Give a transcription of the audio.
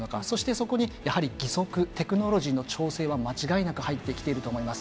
そこにやはり義足テクノロジーの調整は間違いなく入ってきていると思います。